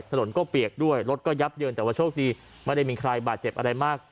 ถนนก็เปียกด้วยรถก็ยับเยินแต่ว่าโชคดีไม่ได้มีใครบาดเจ็บอะไรมาก